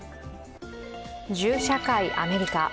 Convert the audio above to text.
銃社会・アメリカ。